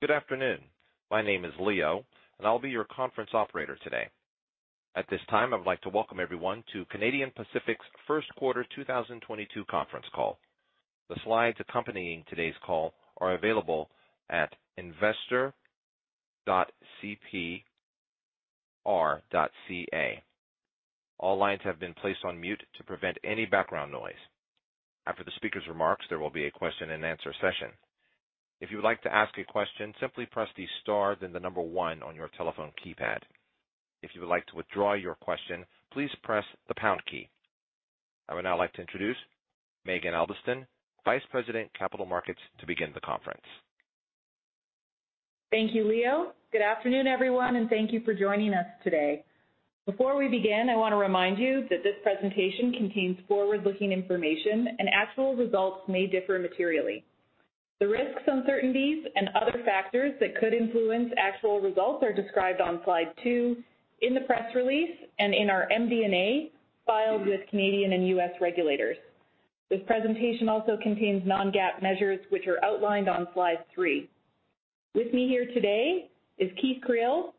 Good afternoon. My name is Leo, and I'll be your conference operator today. At this time, I would like to welcome everyone to Canadian Pacific's first quarter 2022 conference call. The slides accompanying today's call are available at investor.cpr.ca. All lines have been placed on mute to prevent any background noise. After the speaker's remarks, there will be a question-and-answer session. If you would like to ask a question, simply press the star then the number one on your telephone keypad. If you would like to withdraw your question, please press the pound key. I would now like to introduce Maeghan Albiston, Vice President, Capital Markets, to begin the conference. Thank you, Leo. Good afternoon, everyone, and thank you for joining us today. Before we begin, I want to remind you that this presentation contains forward-looking information and actual results may differ materially. The risks, uncertainties, and other factors that could influence actual results are described on slide two in the press release and in our MD&A filed with Canadian and US regulators. This presentation also contains non-GAAP measures, which are outlined on slide three. With me here today is Keith Creel,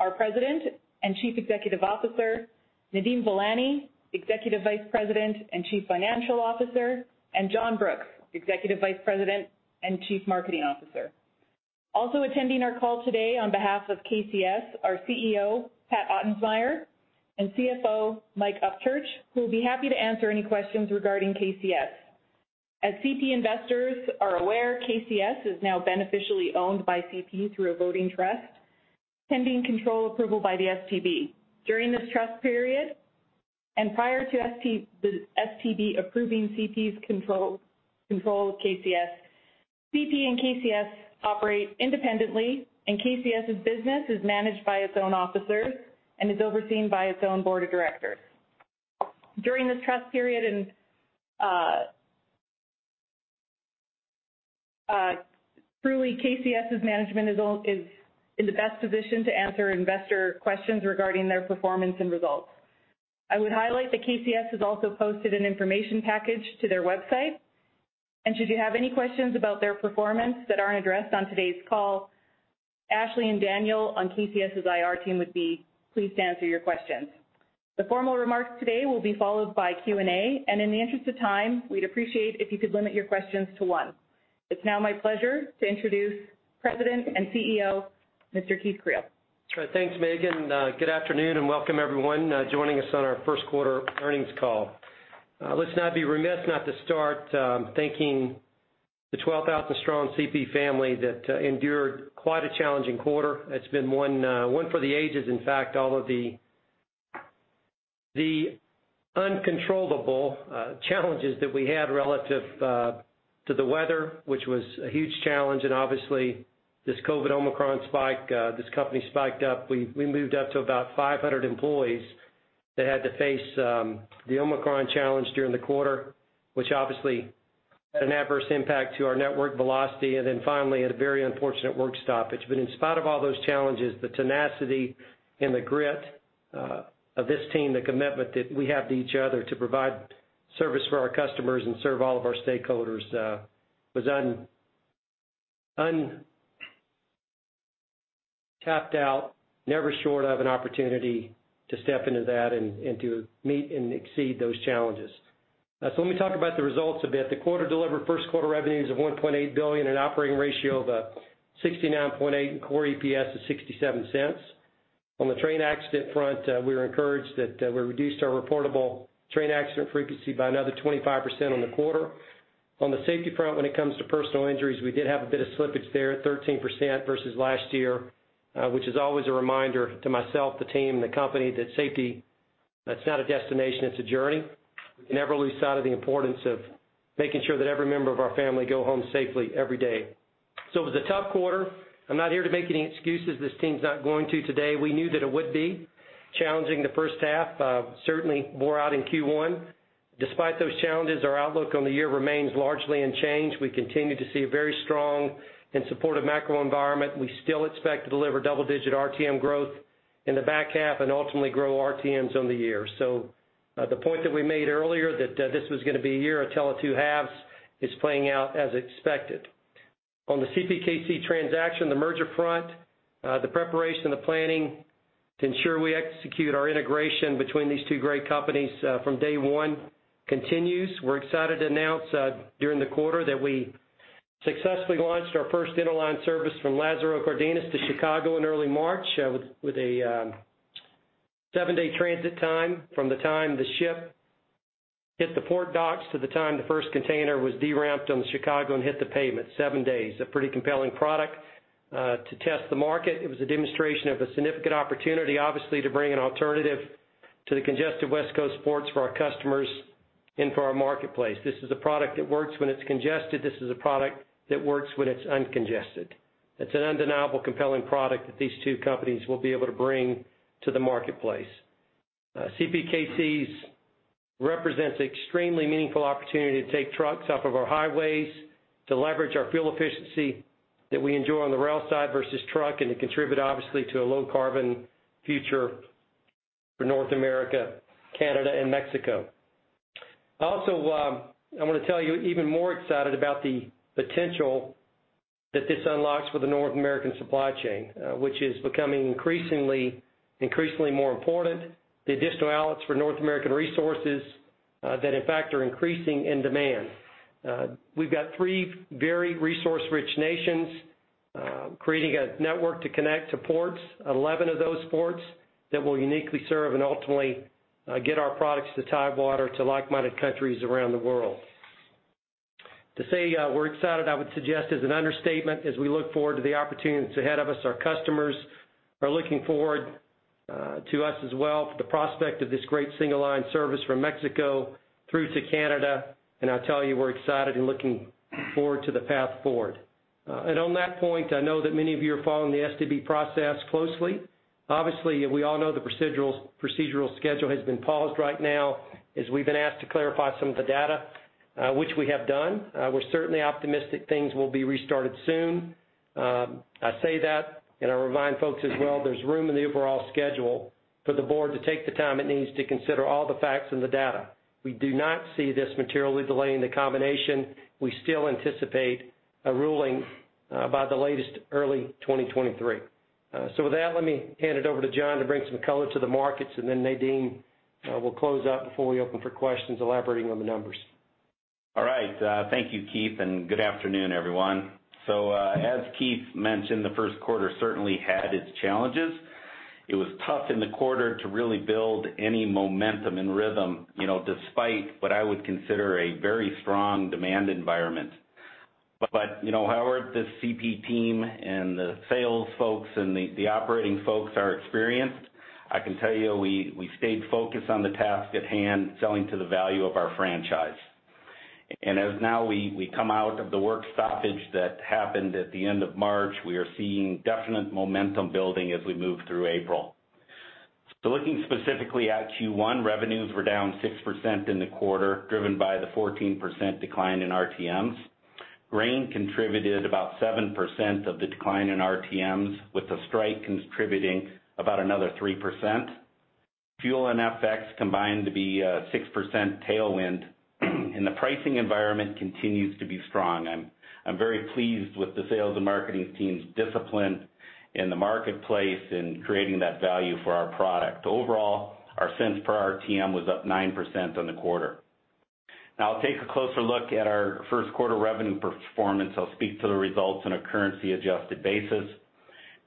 our President and Chief Executive Officer, Nadeem Velani, Executive Vice President and Chief Financial Officer, and John Brooks, Executive Vice President and Chief Marketing Officer. Also attending our call today on behalf of KCS, our CEO, Patrick Ottensmeyer, and CFO, Michael Upchurch, who will be happy to answer any questions regarding KCS. As CP investors are aware, KCS is now beneficially owned by CP through a voting trust pending control approval by the STB. During this trust period and prior to the STB approving CP's control of KCS, CP and KCS operate independently, and KCS's business is managed by its own officers and is overseen by its own board of directors. During this trust period, KCS's management is in the best position to answer investor questions regarding their performance and results. I would highlight that KCS has also posted an information package to their website. Should you have any questions about their performance that aren't addressed on today's call, Ashley and Daniel on KCS's IR team would be pleased to answer your questions. The formal remarks today will be followed by Q&A, and in the interest of time, we'd appreciate if you could limit your questions to one. It's now my pleasure to introduce President and CEO, Mr. Keith Creel. All right. Thanks, Maeghan. Good afternoon and welcome everyone joining us on our first quarter earnings call. Let's not be remiss not to start thanking the 12,000-strong CP family that endured quite a challenging quarter. It's been one for the ages. In fact, all of the uncontrollable challenges that we had relative to the weather, which was a huge challenge, and obviously this COVID Omicron spike, this company spiked up. We moved up to about 500 employees that had to face the Omicron challenge during the quarter, which obviously had an adverse impact to our network velocity. Finally, had a very unfortunate work stoppage. In spite of all those challenges, the tenacity and the grit of this team, the commitment that we have to each other to provide service for our customers and serve all of our stakeholders, was untapped, never short of an opportunity to step into that and to meet and exceed those challenges. Let me talk about the results a bit. The quarter delivered first quarter revenues of 1.8 billion, an operating ratio of 69.8%, and core EPS of 0.67. On the train accident front, we were encouraged that we reduced our reportable train accident frequency by another 25% on the quarter. On the safety front, when it comes to personal injuries, we did have a bit of slippage there, 13% versus last year, which is always a reminder to myself, the team, the company, that safety, that's not a destination, it's a journey. We can never lose sight of the importance of making sure that every member of our family go home safely every day. It was a tough quarter. I'm not here to make any excuses. This team's not going to today. We knew that it would be challenging the first half, certainly more out in Q1. Despite those challenges, our outlook on the year remains largely unchanged. We continue to see a very strong and supportive macro environment. We still expect to deliver double-digit RTM growth in the back half and ultimately grow RTMs on the year. The point that we made earlier that this was gonna be a year, a tale of two halves, is playing out as expected. On the CPKC transaction, the merger front, the preparation, the planning to ensure we execute our integration between these two great companies, from day one continues. We're excited to announce during the quarter that we successfully launched our first interline service from Lázaro Cárdenas to Chicago in early March, with a seven-day transit time from the time the ship hit the port docks to the time the first container was deramped on Chicago and hit the pavement. Seven days, a pretty compelling product to test the market. It was a demonstration of a significant opportunity, obviously, to bring an alternative to the congested West Coast ports for our customers and for our marketplace. This is a product that works when it's congested. This is a product that works when it's uncongested. It's an undeniable, compelling product that these two companies will be able to bring to the marketplace. CPKC's represents extremely meaningful opportunity to take trucks off of our highways, to leverage our fuel efficiency that we enjoy on the rail side versus truck, and to contribute, obviously, to a low carbon future for North America, Canada, and Mexico. Also, I wanna tell you, even more excited about the potential that this unlocks for the North American supply chain, which is becoming increasingly more important. The additional outlets for North American resources that in fact are increasing in demand. We've got three very resource-rich nations, creating a network to connect to ports, 11 of those ports, that will uniquely serve and ultimately, get our products to Tidewater, to like-minded countries around the world. To say, we're excited, I would suggest, is an understatement as we look forward to the opportunities ahead of us. Our customers are looking forward, to us as well for the prospect of this great single line service from Mexico through to Canada, and I'll tell you, we're excited and looking forward to the path forward. On that point, I know that many of you are following the STB process closely. Obviously, we all know the procedural schedule has been paused right now as we've been asked to clarify some of the data, which we have done. We're certainly optimistic things will be restarted soon. I say that, and I remind folks as well, there's room in the overall schedule for the board to take the time it needs to consider all the facts and the data. We do not see this materially delaying the combination. We still anticipate a ruling by the latest early 2023. With that, let me hand it over to John to bring some color to the markets, and then Nadeem will close out before we open for questions elaborating on the numbers. All right. Thank you, Keith, and good afternoon, everyone. As Keith mentioned, the first quarter certainly had its challenges. It was tough in the quarter to really build any momentum and rhythm, you know, despite what I would consider a very strong demand environment. However, this CP team and the sales folks and the operating folks are experienced, I can tell you, we stayed focused on the task at hand, selling to the value of our franchise. As now we come out of the work stoppage that happened at the end of March, we are seeing definite momentum building as we move through April. Looking specifically at Q1, revenues were down 6% in the quarter, driven by the 14% decline in RTMs. Grain contributed about 7% of the decline in RTMs, with the strike contributing about another 3%. Fuel and FX combined to be a 6% tailwind, and the pricing environment continues to be strong. I'm very pleased with the sales and marketing team's discipline in the marketplace in creating that value for our product. Overall, our cents per RTM was up 9% on the quarter. Now I'll take a closer look at our first quarter revenue performance. I'll speak to the results on a currency adjusted basis.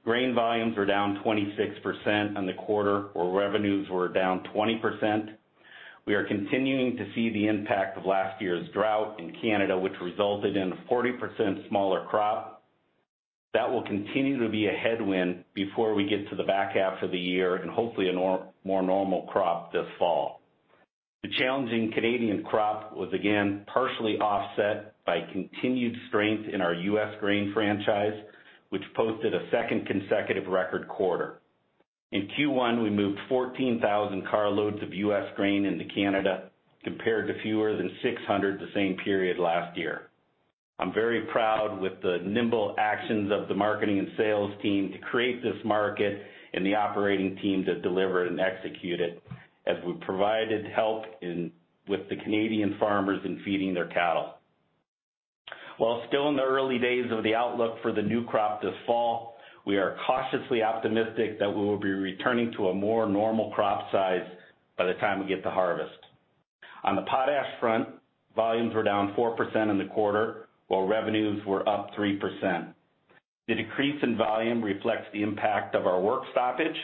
Grain volumes were down 26% on the quarter, while revenues were down 20%. We are continuing to see the impact of last year's drought in Canada, which resulted in a 40% smaller crop. That will continue to be a headwind before we get to the back half of the year and hopefully a more normal crop this fall. The challenging Canadian crop was again partially offset by continued strength in our U.S. grain franchise, which posted a second consecutive record quarter. In Q1, we moved 14,000 car loads of U.S. grain into Canada, compared to fewer than 600 the same period last year. I'm very proud with the nimble actions of the marketing and sales team to create this market and the operating team to deliver it and execute it as we provided help with the Canadian farmers in feeding their cattle. While still in the early days of the outlook for the new crop this fall, we are cautiously optimistic that we will be returning to a more normal crop size by the time we get to harvest. On the potash front, volumes were down 4% in the quarter, while revenues were up 3%. The decrease in volume reflects the impact of our work stoppage,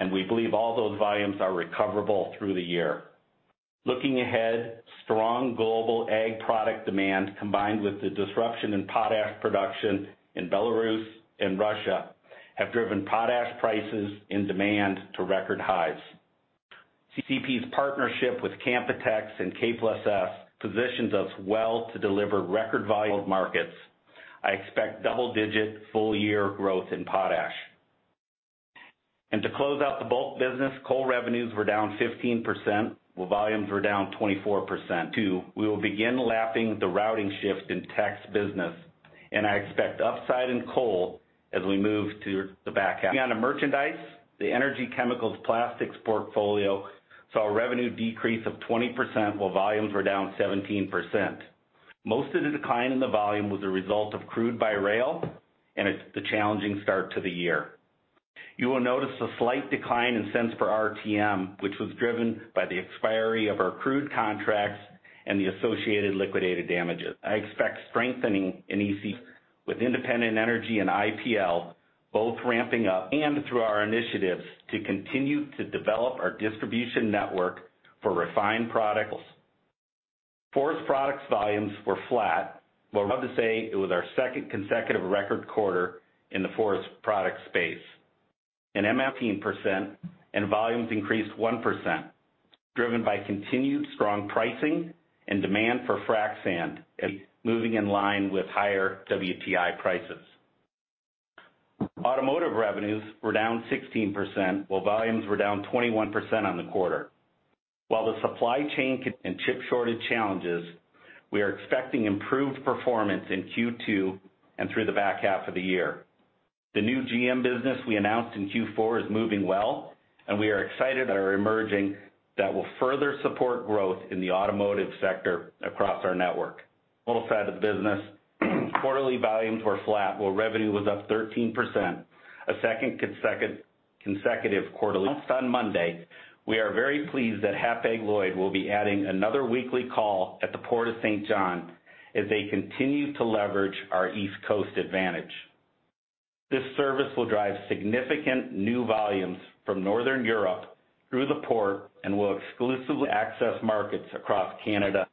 and we believe all those volumes are recoverable through the year. Looking ahead, strong global ag product demand, combined with the disruption in potash production in Belarus and Russia, have driven potash prices and demand to record highs. CP's partnership with Canpotex and K+S positions us well to deliver record volumes to markets. I expect double-digit full-year growth in potash. To close out the bulk business, coal revenues were down 15%, while volumes were down 24% too. We will begin lapping the routing shift in coal business, and I expect upside in coal as we move to the back half. Moving on to merchandise, the energy chemicals plastics portfolio saw a revenue decrease of 20%, while volumes were down 17%. Most of the decline in the volume was a result of crude by rail and it's the challenging start to the year. You will notice a slight decline in cents per RTM, which was driven by the expiry of our crude contracts and the associated liquidated damages. I expect strengthening in EC with Independent Energy and IPL both ramping up and through our initiatives to continue to develop our distribution network for refined products. Forest products volumes were flat. Well, I'm proud to say it was our second consecutive record quarter in the forest products space. In MF, 18% and volumes increased 1%, driven by continued strong pricing and demand for frac sand, moving in line with higher WTI prices. Automotive revenues were down 16%, while volumes were down 21% on the quarter. While the supply chain and chip shortage challenges, we are expecting improved performance in Q2 and through the back half of the year. The new GM business we announced in Q4 is moving well, and we are excited about emerging that will further support growth in the automotive sector across our network. Intermodal side of the business, quarterly volumes were flat, while revenue was up 13%. A second consecutive quarter. On Monday, we are very pleased that Hapag-Lloyd will be adding another weekly call at the Port of Saint John as they continue to leverage our East Coast advantage. This service will drive significant new volumes from Northern Europe through the port and will exclusively access markets across Canada.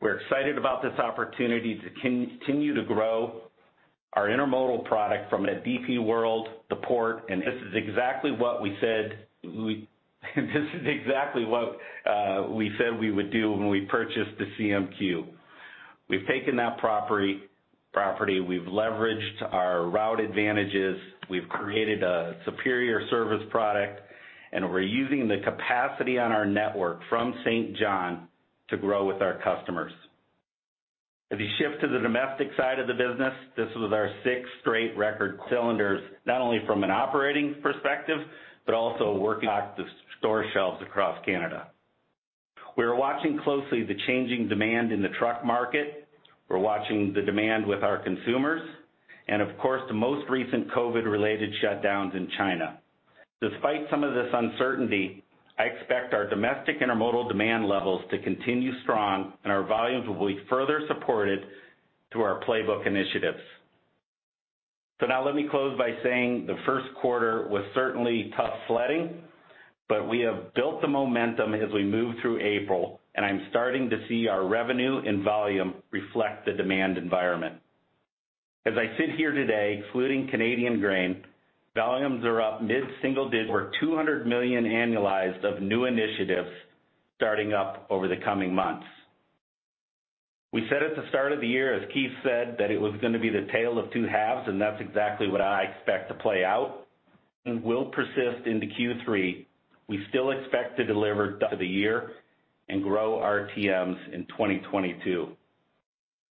We're excited about this opportunity to continue to grow our intermodal product from DP World, the port, and this is exactly what we said we would do when we purchased the CMQ. We've taken that property, we've leveraged our route advantages, we've created a superior service product, and we're using the capacity on our network from Saint John to grow with our customers. As you shift to the domestic side of the business, this was our sixth straight record volumes, not only from an operating perspective, but also working off the store shelves across Canada. We're watching closely the changing demand in the truck market. We're watching the demand with our consumers, and of course, the most recent COVID-related shutdowns in China. Despite some of this uncertainty, I expect our domestic intermodal demand levels to continue strong, and our volumes will be further supported through our playbook initiatives. Now let me close by saying the first quarter was certainly tough sledding, but we have built the momentum as we move through April, and I'm starting to see our revenue and volume reflect the demand environment. As I sit here today, excluding Canadian Grain, volumes are up mid-single digits for 200 million annualized of new initiatives starting up over the coming months. We said at the start of the year, as Keith said, that it was gonna be the tale of two halves, and that's exactly what I expect to play out. Will persist into Q3. We still expect to deliver to the year and grow our TMs in 2022.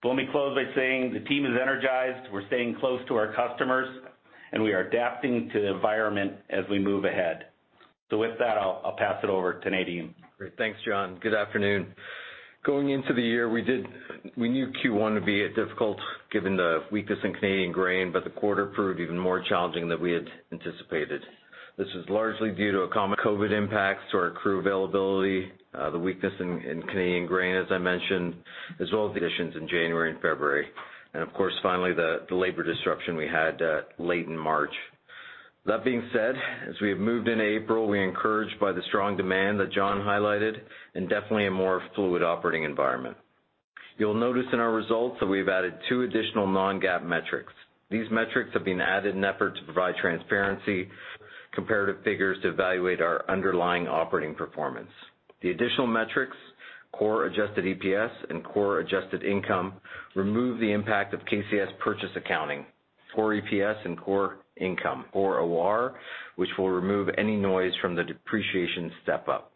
Let me close by saying the team is energized. We're staying close to our customers, and we are adapting to the environment as we move ahead. With that, I'll pass it over to Nadeem. Great. Thanks, John. Good afternoon. Going into the year, we knew Q1 to be difficult given the weakness in Canadian grain, but the quarter proved even more challenging than we had anticipated. This is largely due to COVID impacts to our crew availability, the weakness in Canadian grain, as I mentioned, as well as the additions in January and February. Of course, finally, the labor disruption we had late in March. That being said, as we have moved into April, we're encouraged by the strong demand that John highlighted and definitely a more fluid operating environment. You'll notice in our results that we've added two additional non-GAAP metrics. These metrics have been added in effort to provide transparency, comparative figures to evaluate our underlying operating performance. The additional metrics, core adjusted EPS and core adjusted income, remove the impact of KCS purchase accounting. Core EPS and core income, or OR, which will remove any noise from the depreciation step up.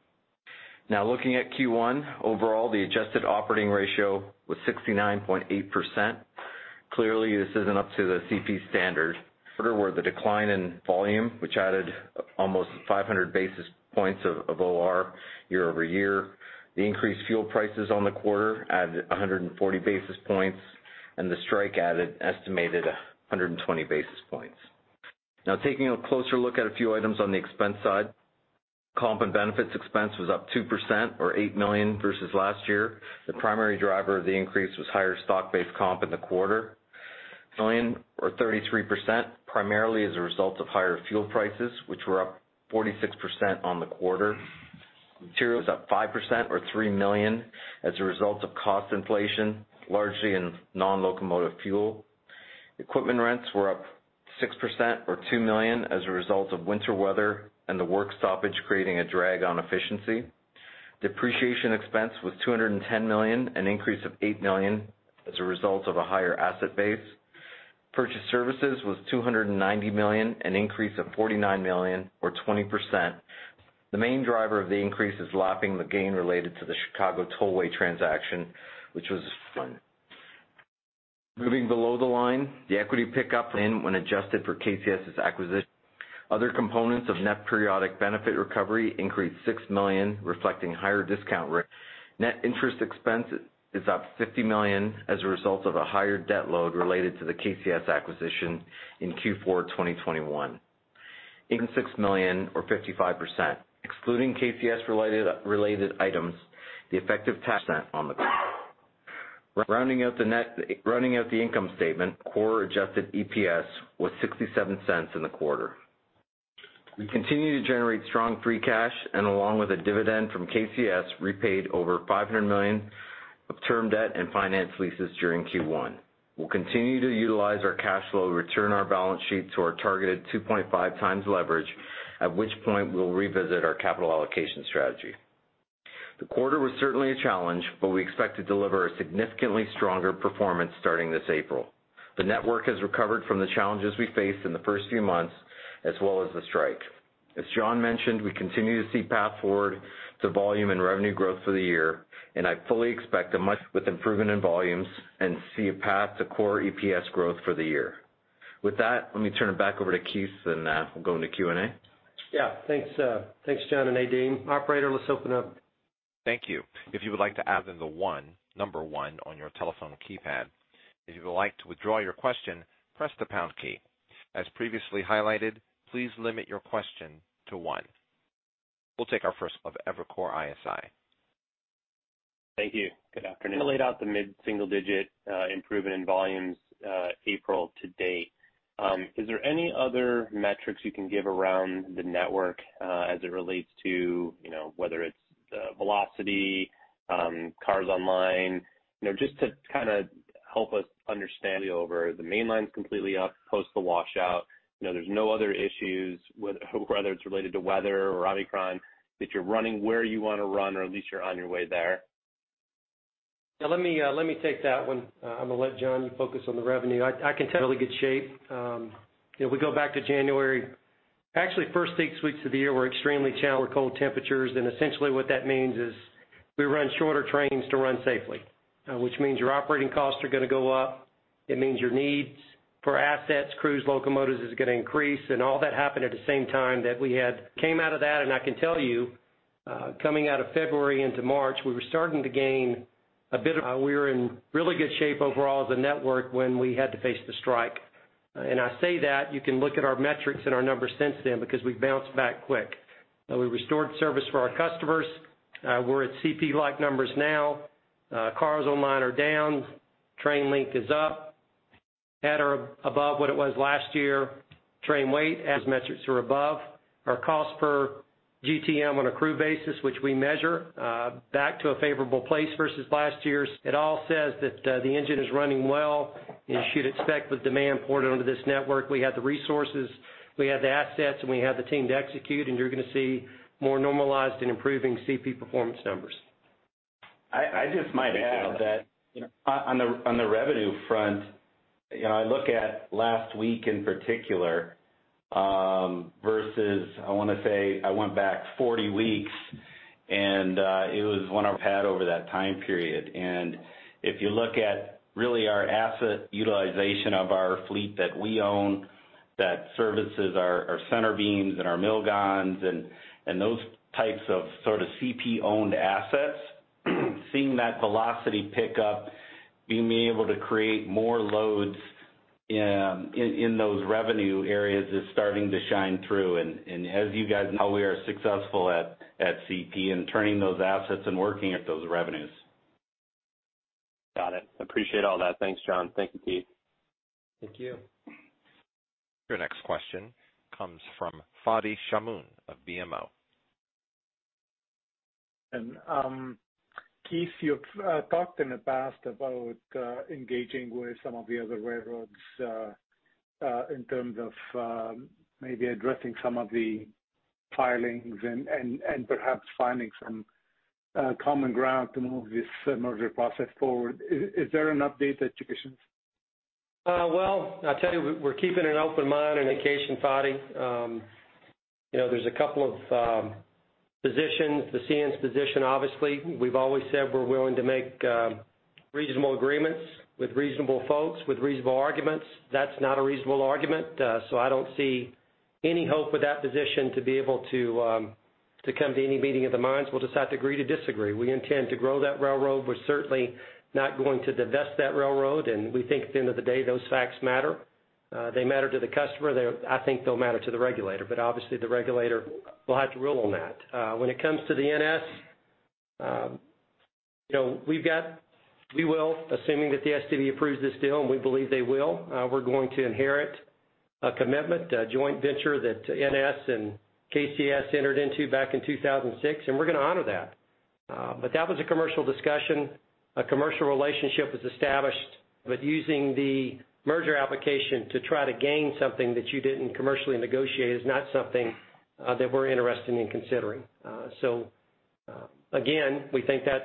Now, looking at Q1, overall, the adjusted operating ratio was 69.8%. Clearly, this isn't up to the CP standard. The quarter's decline in volume, which added almost 500 basis points of OR year-over-year. The increased fuel prices on the quarter added 140 basis points, and the strike added an estimated 120 basis points. Now, taking a closer look at a few items on the expense side. Comp and benefits expense was up 2% or 8 million versus last year. The primary driver of the increase was higher stock-based comp in the quarter. million or 33%, primarily as a result of higher fuel prices, which were up 46% on the quarter. Materials was up 5% or 3 million as a result of cost inflation, largely in non-locomotive fuel. Equipment rents were up 6% or 2 million as a result of winter weather and the work stoppage creating a drag on efficiency. Depreciation expense was 210 million, an increase of 8 million as a result of a higher asset base. Purchased services was 290 million, an increase of 49 million or 20%. The main driver of the increase is lapping the gain related to the Chicago Tollway transaction, which was one. Moving below the line, the equity pickup income when adjusted for KCS' acquisition. Other components of net periodic benefit recovery increased 6 million, reflecting higher discount rates. Net interest expense is up 50 million as a result of a higher debt load related to the KCS acquisition in Q4 2021. Income tax expense decreased 6 million or 55%, excluding KCS-related items. The effective tax rate for the quarter. Rounding out the income statement, core adjusted EPS was 0.67 in the quarter. We continue to generate strong free cash flow, and along with a dividend from KCS, repaid over 500 million of term debt and finance leases during Q1. We'll continue to utilize our cash flow to return our balance sheet to our targeted 2.5x leverage, at which point we'll revisit our capital allocation strategy. The quarter was certainly a challenge, but we expect to deliver a significantly stronger performance starting this April. The network has recovered from the challenges we faced in the first few months. As well as the strike. As John mentioned, we continue to see a path forward to volume and revenue growth for the year, and I fully expect a much wider improvement in volumes and see a path to core EPS growth for the year. With that, let me turn it back over to Keith, and we'll go into Q&A. Yeah. Thanks, John and Nadeem. Operator, let's open up. Thank you. If you would like to ask, then the 1, number 1 on your telephone keypad. If you would like to withdraw your question, press the pound key. As previously highlighted, please limit your question to 1. We'll take our first of Evercore ISI. Thank you. Good afternoon. You laid out the mid-single digit improvement in volumes, April to date. Is there any other metrics you can give around the network, as it relates to, you know, whether it's velocity, cars online? You know, just to kind of help us understand [that] the main line's completely up post the washout. You know, there's no other issues, whether it's related to weather or Omicron, that you're running where you wanna run or at least you're on your way there. Yeah, let me take that one. I'm gonna let John focus on the revenue. I can tell we're in really good shape. If we go back to January, actually first six weeks of the year were extremely challenged with cold temperatures, and essentially what that means is we run shorter trains to run safely, which means your operating costs are gonna go up. It means your needs for assets, crews, locomotives is gonna increase, and all that happened at the same time that we had came out of that. I can tell you, coming out of February into March, we were starting to gain. We were in really good shape overall as a network when we had to face the strike. I say that, you can look at our metrics and our numbers since then because we've bounced back quick. We restored service for our customers. We're at CP-like numbers now. Cars online are down. Train length is up at or above what it was last year. Train weight, as metrics are above. Our cost per GTM on a crew basis, which we measure, back to a favorable place versus last year's. It all says that, the engine is running well, and you should expect with demand poured into this network, we have the resources, we have the assets, and we have the team to execute, and you're gonna see more normalized and improving CP performance numbers. I just might add that on the revenue front, you know, I look at last week in particular versus I wanna say I went back 40 weeks and it was one I've had over that time period. If you look at really our asset utilization of our fleet that we own that services our centerbeams and our mill gondolas and those types of sort of CP-owned assets, seeing that velocity pick up, being able to create more loads in those revenue areas is starting to shine through. As you guys know we are successful at CP in turning those assets and working at those revenues. Got it. Appreciate all that. Thanks, John. Thank you, Keith. Thank you. Your next question comes from Fadi Chamoun of BMO. Keith, you've talked in the past about engaging with some of the other railroads in terms of maybe addressing some of the filings and perhaps finding some common ground to move this merger process forward. Is there an update that you can share? Well, I'll tell you, we're keeping an open mind on occasion, Fadi. You know, there's a couple of positions. The CN's position, obviously. We've always said we're willing to make reasonable agreements with reasonable folks with reasonable arguments. That's not a reasonable argument. So I don't see any hope with that position to be able to come to any meeting of the minds. We'll just have to agree to disagree. We intend to grow that railroad. We're certainly not going to divest that railroad. We think at the end of the day, those facts matter. They matter to the customer. They're. I think they'll matter to the regulator, but obviously, the regulator will have to rule on that. When it comes to the NS, you know, we will, assuming that the STB approves this deal, and we believe they will, we're going to inherit a commitment, a joint venture that NS and KCS entered into back in 2006, and we're gonna honor that. But that was a commercial discussion. A commercial relationship was established. But using the merger application to try to gain something that you didn't commercially negotiate is not something that we're interested in considering. So, again, we think that's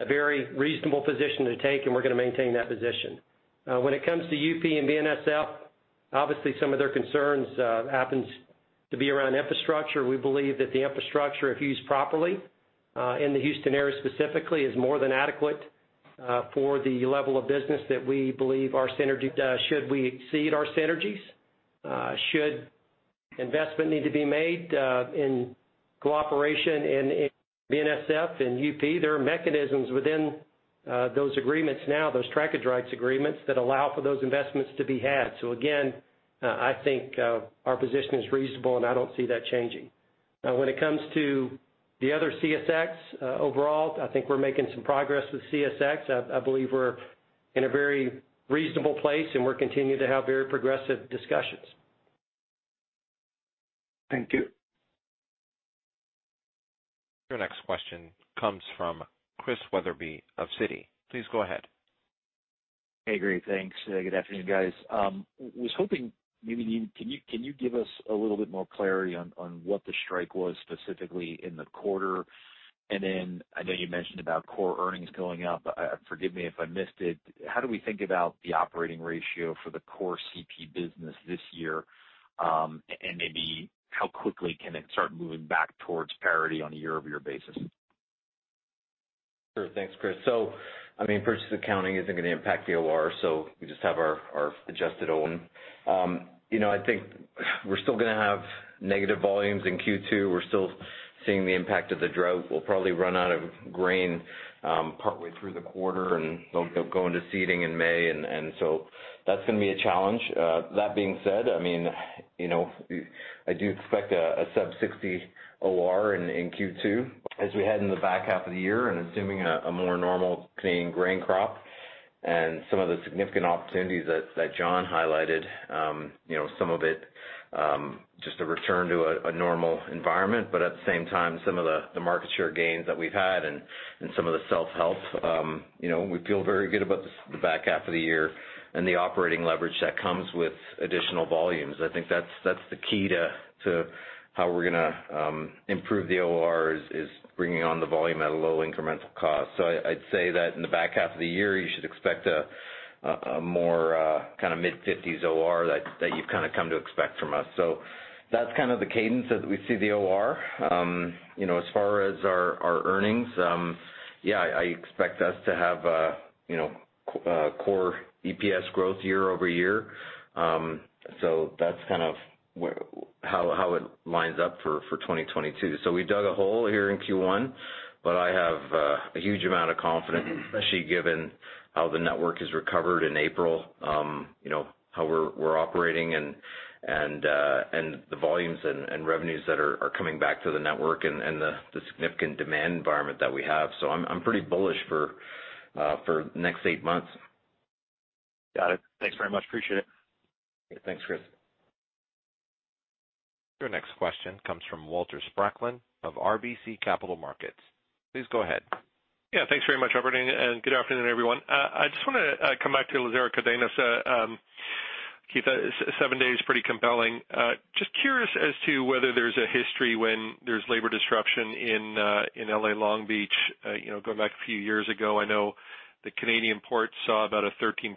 a very reasonable position to take, and we're gonna maintain that position. When it comes to UP and BNSF, obviously some of their concerns happens to be around infrastructure. We believe that the infrastructure, if used properly, in the Houston area specifically, is more than adequate for the level of business that we believe. Should we exceed our synergies, should investment need to be made in cooperation with BNSF and UP, there are mechanisms within those agreements now, those trackage rights agreements, that allow for those investments to be had. Again, I think our position is reasonable, and I don't see that changing. When it comes to the other CSX, overall, I think we're making some progress with CSX. I believe we're in a very reasonable place, and we're continuing to have very progressive discussions. Thank you. Your next question comes from Chris Wetherbee of Citi. Please go ahead. Hey, great. Thanks. Good afternoon, guys. Can you give us a little bit more clarity on what the strike was specifically in the quarter? I know you mentioned about core earnings going up, but forgive me if I missed it, how do we think about the operating ratio for the core CP business this year? Maybe how quickly can it start moving back towards parity on a year-over-year basis? Sure. Thanks, Chris. I mean, purchase accounting isn't gonna impact the OR, so we just have our adjusted OR. You know, I think we're still gonna have negative volumes in Q2. We're still seeing the impact of the drought. We'll probably run out of grain partway through the quarter, and they'll go into seeding in May, so that's gonna be a challenge. That being said, I mean, you know, I do expect a sub-60 OR in Q2 as we head into the back half of the year and assuming a more normal Canadian grain crop and some of the significant opportunities that John highlighted, you know, some of it just to return to a normal environment, but at the same time, some of the market share gains that we've had and some of the self-help, you know, we feel very good about the back half of the year and the operating leverage that comes with additional volumes. I think that's the key to how we're gonna improve the OR is bringing on the volume at a low incremental cost. I'd say that in the back half of the year, you should expect a more kind of mid-fifties OR that you've kind of come to expect from us. That's kind of the cadence as we see the OR. You know, as far as our earnings, yeah, I expect us to have a core EPS growth year-over-year. That's kind of how it lines up for 2022. We dug a hole here in Q1, but I have a huge amount of confidence, especially given how the network has recovered in April, you know, how we're operating and the volumes and revenues that are coming back to the network and the significant demand environment that we have. I'm pretty bullish for the next eight months. Got it. Thanks very much. Appreciate it. Thanks, Chris. Your next question comes from Walter Spracklin of RBC Capital Markets. Please go ahead. Yeah, thanks very much, operator, and good afternoon, everyone. I just wanna come back to Lázaro Cárdenas. Keith, seven days pretty compelling. Just curious as to whether there's a history when there's labor disruption in L.A. Long Beach, you know, going back a few years ago, I know the Canadian port saw about a 13%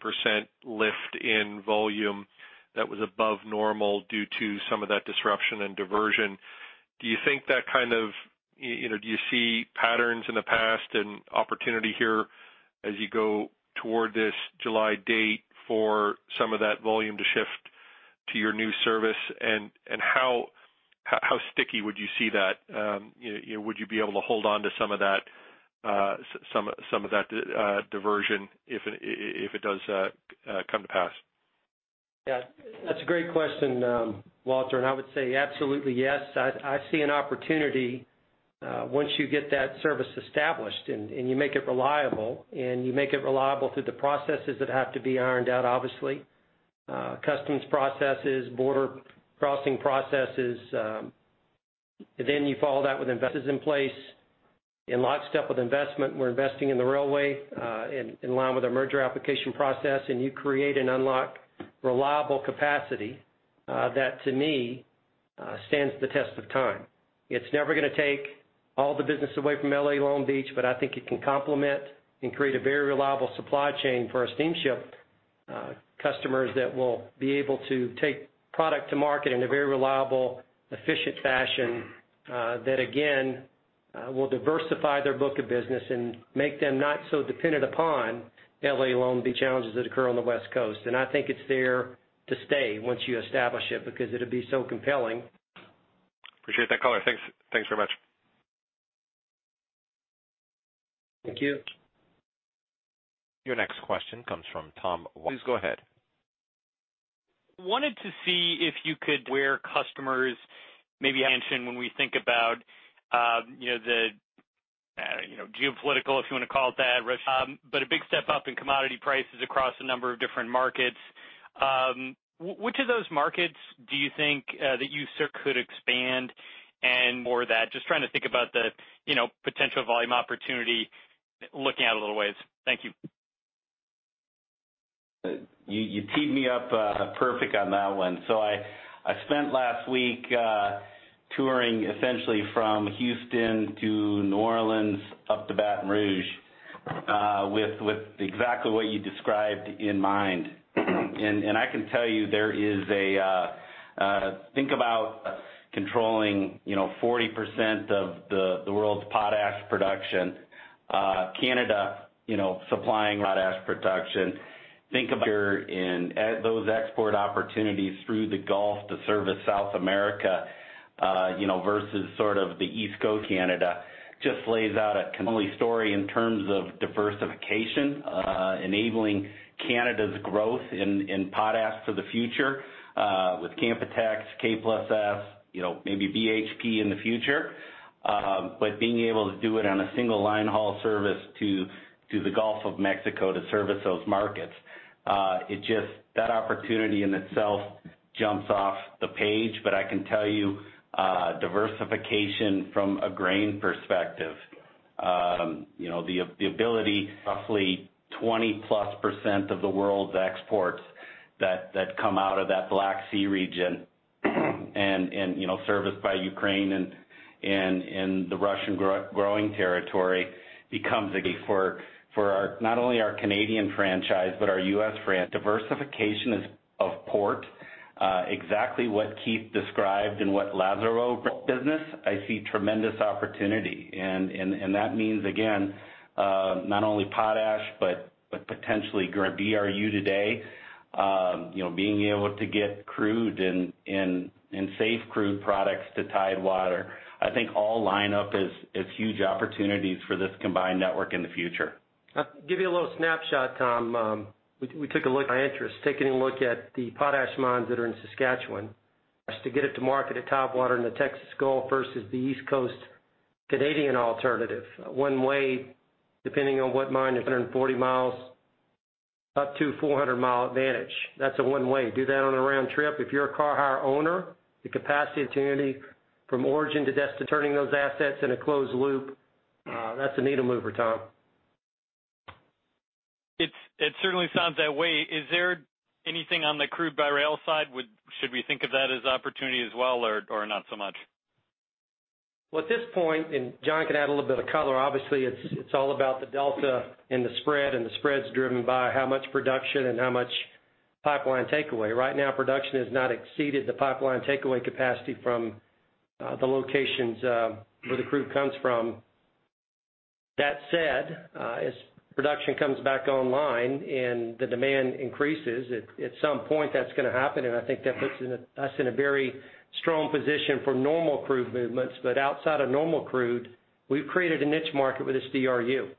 lift in volume that was above normal due to some of that disruption and diversion. Do you think that kind of, you know, do you see patterns in the past and opportunity here as you go toward this July date for some of that volume to shift to your new service? And how sticky would you see that? You know, would you be able to hold on to some of that diversion if it does come to pass? Yeah. That's a great question, Walter Spracklin, and I would say absolutely yes. I see an opportunity once you get that service established and you make it reliable through the processes that have to be ironed out, obviously, customs processes, border crossing processes, then you follow that with investors in place. In lockstep with investment, we're investing in the railway in line with our merger application process, and you create and unlock reliable capacity that to me stands the test of time. It's never gonna take all the business away from L.A. Long Beach, but I think it can complement and create a very reliable supply chain for our steamship customers that will be able to take product to market in a very reliable, efficient fashion that again will diversify their book of business and make them not so dependent upon L.A. Long Beach challenges that occur on the West Coast. I think it's there to stay once you establish it because it'll be so compelling. Appreciate that color. Thanks. Thanks very much. Thank you. Your next question comes from Tom. Please go ahead. Where customers maybe mentioned when we think about, you know, the, I don't know, you know, geopolitical, if you wanna call it that, but a big step up in commodity prices across a number of different markets. Which of those markets do you think that you see could expand and more of that? Just trying to think about the, you know, potential volume opportunity looking out a little ways. Thank you. You teed me up perfect on that one. I spent last week touring essentially from Houston to New Orleans up to Baton Rouge with exactly what you described in mind. I can tell you, think about controlling, you know, 40% of the world's potash production, Canada, you know, supplying potash production. Think about in those export opportunities through the Gulf to service South America, you know, versus sort of the East Coast Canada, just lays out a compelling story in terms of diversification, enabling Canada's growth in potash for the future with Canpotex, K+S, you know, maybe BHP in the future. Being able to do it on a single line haul service to the Gulf of Mexico to service those markets, that opportunity in itself jumps off the page. I can tell you, diversification from a grain perspective, you know, the ability, roughly 20%+ of the world's exports that come out of that Black Sea region. You know, serviced by Ukraine and the Russian growing territory becomes a gateway for not only our Canadian franchise, but our US franchise. Diversification of ports is exactly what Keith described and what Lázaro Cárdenas business. I see tremendous opportunity. That means, again, not only potash, but potentially grain, DRU today, you know, being able to get crude and safe crude products to tidewater. I think all line up as huge opportunities for this combined network in the future. I'll give you a little snapshot, Tom. We took a look at the potash mines that are in Saskatchewan as to get it to market at Tidewater in the Texas Gulf versus the East Coast Canadian alternative. One way, depending on which mine it's 140 miles up to 400-mile advantage. That's one way. Do that on a round trip. If you're a car hire owner, the capacity opportunity from origin to destination to turning those assets in a closed loop, that's a needle mover, Tom. It certainly sounds that way. Is there anything on the crude by rail side, should we think of that as opportunity as well or not so much? Well, at this point, and John can add a little bit of color. Obviously, it's all about the delta and the spread, and the spread's driven by how much production and how much pipeline takeaway. Right now, production has not exceeded the pipeline takeaway capacity from the locations where the crude comes from. That said, as production comes back online and the demand increases, at some point, that's gonna happen, and I think that puts us in a very strong position for normal crude movements. Outside of normal crude, we've created a niche market with this DRU.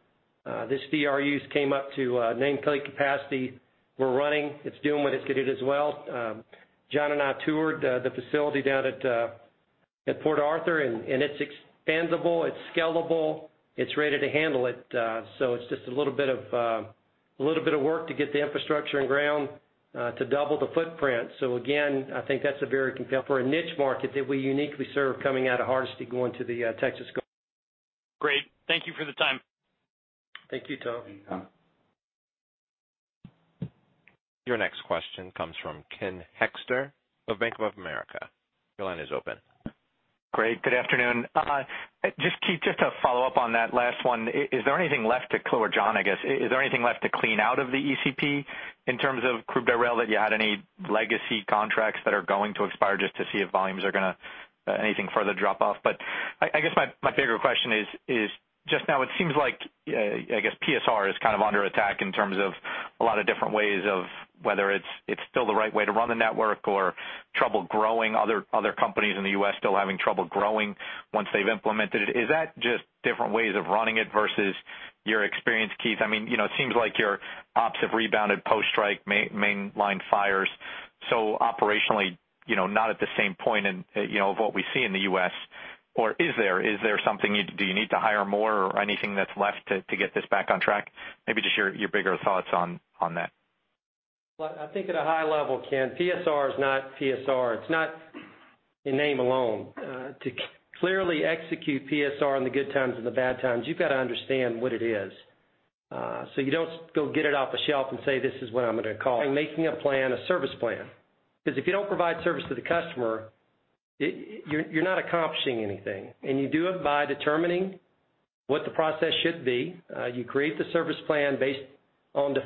This DRUs came up to nameplate capacity. We're running. It's doing what it's gonna do as well. John and I toured the facility down at Port Arthur, and it's expandable, it's scalable, it's ready to handle it. It's just a little bit of work to get the infrastructure on the ground to double the footprint. Again, I think that's for a niche market that we uniquely serve coming out of Hardisty going to the Texas Gulf. Great. Thank you for the time. Thank you, Tom. Thank you, Tom. Your next question comes from Ken Hoexter of Bank of America. Your line is open. Great. Good afternoon. Keith, just to follow up on that last one. Is there anything left to or John, I guess. Is there anything left to clean out of the ECP in terms of crude by rail that you had any legacy contracts that are going to expire just to see if volumes are gonna anything further drop off? But I guess my bigger question is just now it seems like I guess PSR is kind of under attack in terms of a lot of different ways of whether it's still the right way to run the network or trouble growing other companies in the U.S. still having trouble growing once they've implemented it. Is that just different ways of running it versus your experience, Keith? I mean, you know, it seems like your ops have rebounded post-strike, main line fires, so operationally, you know, not at the same point and, you know, of what we see in the US. Or is there? Is there something do you need to hire more or anything that's left to get this back on track? Maybe just your bigger thoughts on that. Well, I think at a high level, Ken, PSR is not PSR. It's not in name alone. To clearly execute PSR in the good times and the bad times, you've got to understand what it is. You don't go get it off the shelf and say, "This is what I'm gonna call it." Making a plan a service plan. 'Cause if you don't provide service to the customer, you're not accomplishing anything. You do it by determining what the process should be. You create the service plan based on the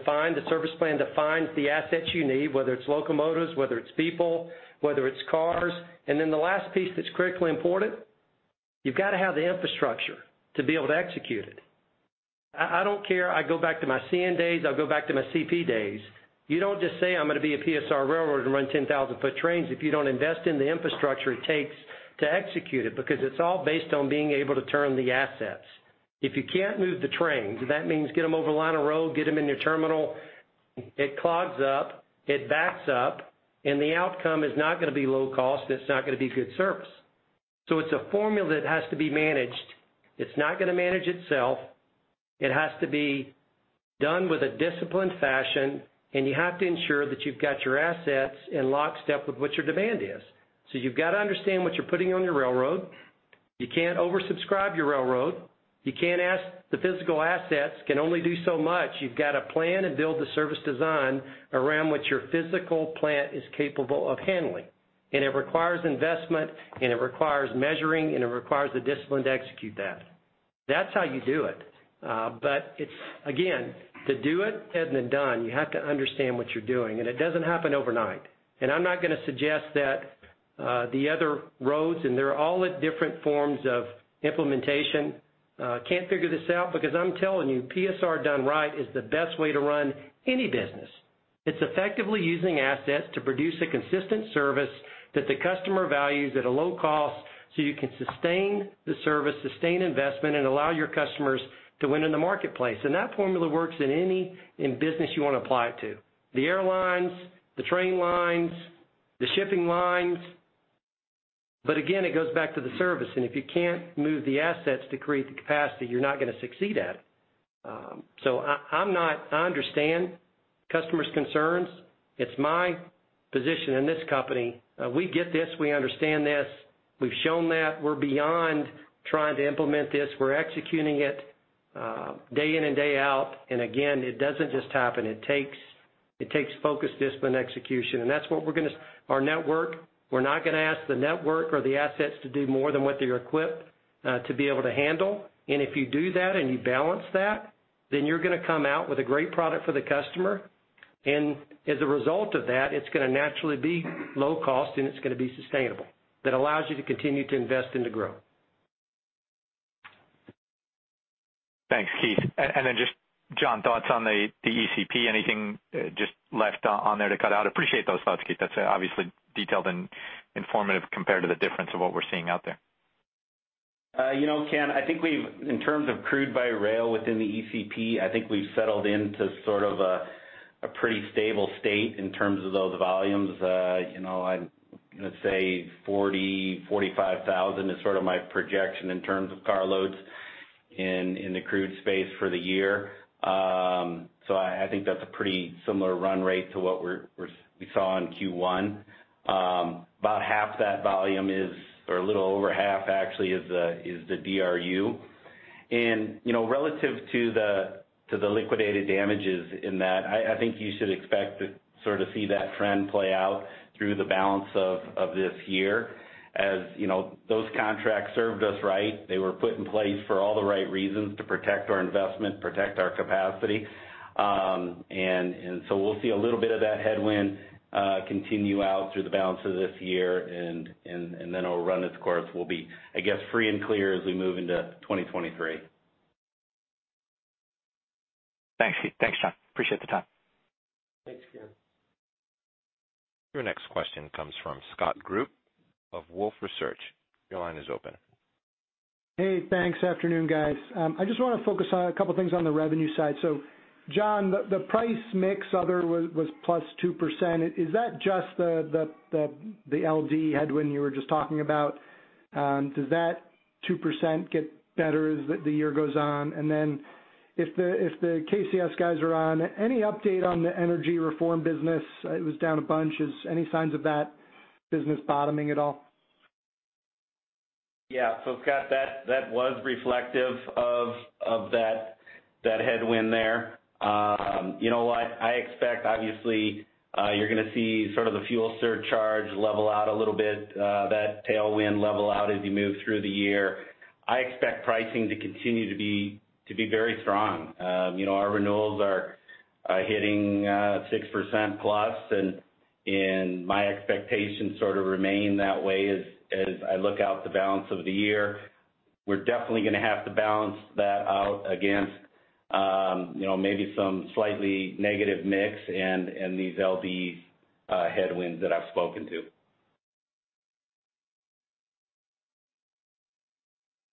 service plan defines the assets you need, whether it's locomotives, whether it's people, whether it's cars. Then the last piece that's critically important, you've got to have the infrastructure to be able to execute it. I don't care, I go back to my CN days, I'll go back to my CP days. You don't just say, "I'm gonna be a PSR railroad and run 10,000-foot trains," if you don't invest in the infrastructure it takes to execute it, because it's all based on being able to turn the assets. If you can't move the trains, that means get them over line of rail, get them in your terminal, it clogs up, it backs up, and the outcome is not gonna be low cost, it's not gonna be good service. It's a formula that has to be managed. It's not gonna manage itself. It has to be done with a disciplined fashion, and you have to ensure that you've got your assets in lockstep with what your demand is. You've got to understand what you're putting on your railroad. You can't oversubscribe your railroad. You can't. The physical assets can only do so much. You've got to plan and build the service design around what your physical plant is capable of handling. It requires investment, and it requires measuring, and it requires the discipline to execute that. That's how you do it. But it's, again, easier said than done. You have to understand what you're doing, and it doesn't happen overnight. I'm not gonna suggest that the other roads, and they're all at different forms of implementation, can't figure this out because I'm telling you, PSR done right is the best way to run any business. It's effectively using assets to produce a consistent service that the customer values at a low cost, so you can sustain the service, sustain investment, and allow your customers to win in the marketplace. That formula works in any business you want to apply it to. The airlines, the train lines, the shipping lines. Again, it goes back to the service. If you can't move the assets to create the capacity, you're not gonna succeed at it. I understand customers' concerns. It's my position in this company. We get this, we understand this. We've shown that. We're beyond trying to implement this. We're executing it. Day in and day out, again, it doesn't just happen. It takes focus, discipline, execution. Our network, we're not gonna ask the network or the assets to do more than what they're equipped to be able to handle. If you do that, and you balance that, then you're gonna come out with a great product for the customer. As a result of that, it's gonna naturally be low cost, and it's gonna be sustainable. That allows you to continue to invest and to grow. Thanks, Keith. Just John, thoughts on the ECP. Anything just left on there to cut out? Appreciate those thoughts, Keith. That's obviously detailed and informative compared to the difference of what we're seeing out there. You know, Ken, in terms of crude by rail within the ECP, I think we've settled into sort of a pretty stable state in terms of those volumes. You know, I'm gonna say 40,000-45,000 is sort of my projection in terms of carloads in the crude space for the year. I think that's a pretty similar run rate to what we saw in Q1. About half that volume, or a little over half actually, is the DRU. You know, relative to the liquidated damages in that, I think you should expect to sort of see that trend play out through the balance of this year. As you know, those contracts served us right. They were put in place for all the right reasons to protect our investment, protect our capacity. We'll see a little bit of that headwind continue out through the balance of this year and then it'll run its course. We'll be, I guess free and clear as we move into 2023. Thanks, Keith. Thanks, John. Appreciate the time. Thanks, Ken. Your next question comes from Scott Group of Wolfe Research. Your line is open. Hey, thanks. Afternoon, guys. I just wanna focus on a couple things on the revenue side. John, the price mix other was +2%. Is that just the LD headwind you were just talking about? Does that 2% get better as the year goes on? Then if the KCS guys are on, any update on the energy reform business? It was down a bunch. Is any signs of that business bottoming at all? Yeah. Scott, that was reflective of that headwind there. You know what? I expect, obviously, you're gonna see sort of the fuel surcharge level out a little bit, that tailwind level out as you move through the year. I expect pricing to continue to be very strong. You know, our renewals are hitting 6% plus, and my expectations sort of remain that way as I look out the balance of the year. We're definitely gonna have to balance that out against, you know, maybe some slightly negative mix and these LDs headwinds that I've spoken to.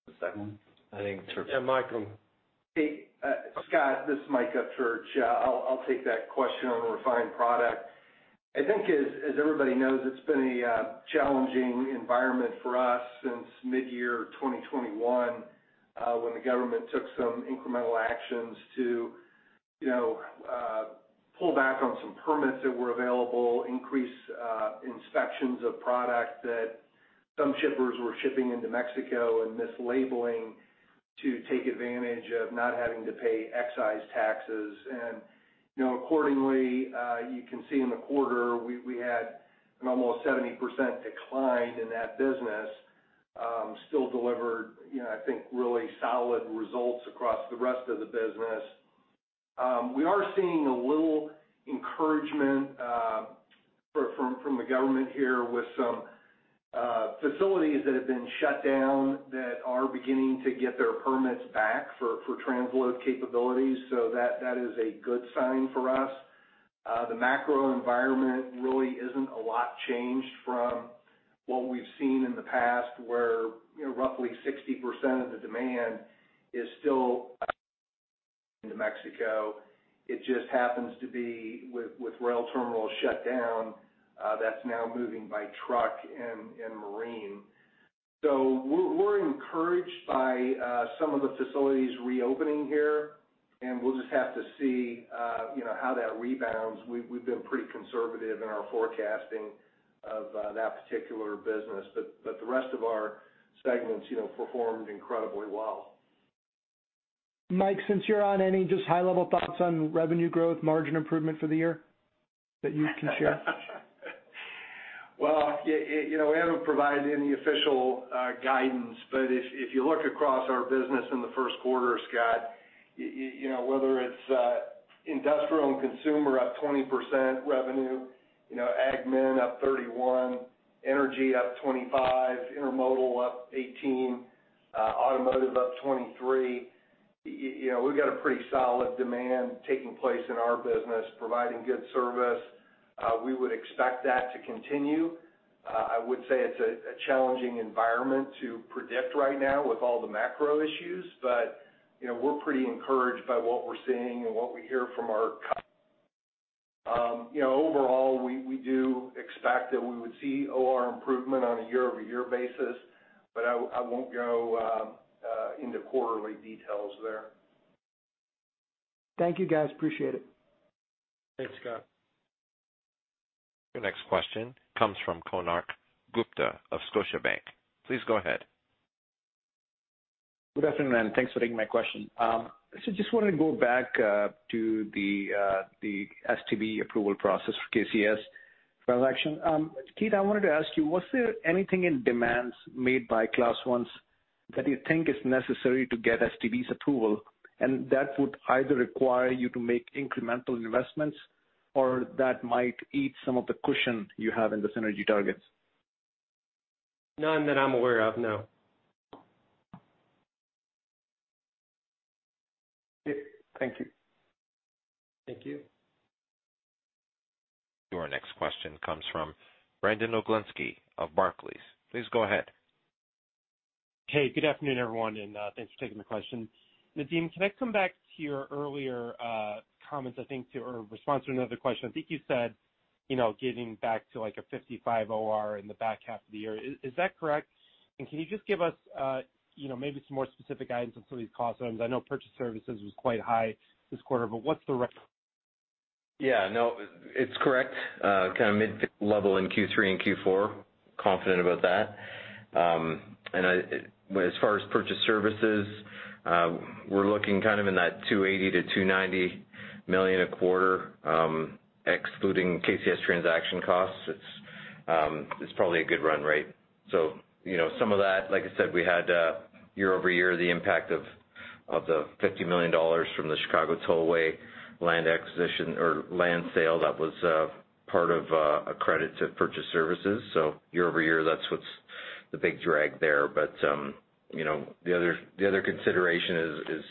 The second one? I think it's for- Yeah, Michael. Hey, Scott, this is Michael Upchurch. I'll take that question on the refined product. I think as everybody knows, it's been a challenging environment for us since midyear 2021, when the government took some incremental actions to, you know, pull back on some permits that were available, increase inspections of product that some shippers were shipping into Mexico, and mislabeling to take advantage of not having to pay excise taxes. You know, accordingly, you can see in the quarter, we had an almost 70% decline in that business. Still delivered, you know, I think, really solid results across the rest of the business. We are seeing a little encouragement from the government here with some facilities that have been shut down that are beginning to get their permits back for transload capabilities. That is a good sign for us. The macro environment really isn't a lot changed from what we've seen in the past, where, you know, roughly 60% of the demand is still into Mexico. It just happens to be with rail terminals shut down, that's now moving by truck and marine. We're encouraged by some of the facilities reopening here, and we'll just have to see, you know, how that rebounds. We've been pretty conservative in our forecasting of that particular business. The rest of our segments, you know, performed incredibly well. Mike, since you're on, any just high-level thoughts on revenue growth, margin improvement for the year that you can share? Well, you know, we haven't provided any official guidance, but if you look across our business in the first quarter, Scott, you know, whether it's industrial and consumer up 20% revenue, you know, ag min up 31%, energy up 25%, intermodal up 18%, automotive up 23%, you know, we've got a pretty solid demand taking place in our business, providing good service. We would expect that to continue. I would say it's a challenging environment to predict right now with all the macro issues. You know, we're pretty encouraged by what we're seeing. You know, overall, we do expect that we would see OR improvement on a year-over-year basis, but I won't go into quarterly details there. Thank you, guys. Appreciate it. Thanks, Scott. Your next question comes from Konark Gupta of Scotiabank. Please go ahead. Good afternoon, and thanks for taking my question. Just wanted to go back to the STB approval process for KCS transaction. Keith, I wanted to ask you, was there anything in demands made by Class Is that you think is necessary to get STB's approval, and that would either require you to make incremental investments or that might eat some of the cushion you have in the synergy targets? None that I'm aware of, no. Okay. Thank you. Thank you. Your next question comes from Brandon Oglenski of Barclays. Please go ahead. Hey, good afternoon, everyone, and thanks for taking the question. Nadeem, can I come back to your earlier comments, I think or response to another question. I think you said, you know, getting back to like a 55 OR in the back half of the year. Is that correct? And can you just give us, you know, maybe some more specific guidance on some of these cost items? I know purchased services was quite high this quarter, but what's the re- Yeah, no, it's correct. Kind of mid level in Q3 and Q4, confident about that. As far as purchased services, we're looking kind of in that $280 million-$290 million a quarter, excluding KCS transaction costs. It's probably a good run rate. You know, some of that, like I said, we had year-over-year the impact of the $50 million from the Chicago Tollway land acquisition or land sale that was part of a credit to purchased services. Year-over-year, that's what's the big drag there. You know, the other consideration is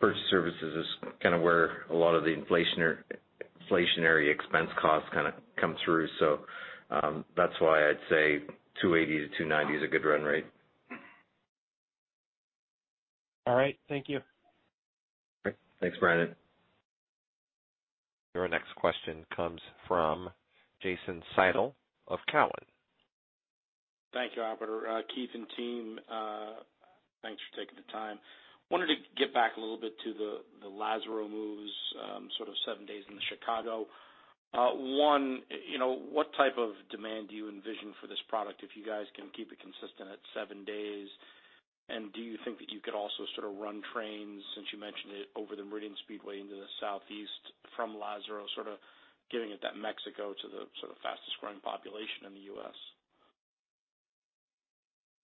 purchased services is kind of where a lot of the inflationary expense costs kind of come through. That's why I'd say $280 million-$290 million is a good run rate. All right. Thank you. Great. Thanks, Brandon. Your next question comes from Jason Seidl of Cowen. Thank you, operator. Keith and team, thanks for taking the time. Wanted to get back a little bit to the Lázaro Cárdenas moves, sort of seven days into Chicago. One, you know, what type of demand do you envision for this product if you guys can keep it consistent at seven days? Do you think that you could also sort of run trains since you mentioned it over the Meridian Speedway into the southeast from Lázaro Cárdenas, sort of giving it that Mexico to the sort of fastest growing population in the U.S.?